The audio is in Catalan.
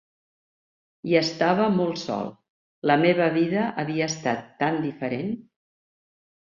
I estava molt sol; la meva vida havia estat tan diferent.